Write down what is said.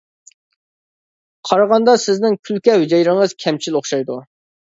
قارىغاندا سىزنىڭ كۈلكە ھۈجەيرىڭىز كەمچىل ئوخشايدۇ!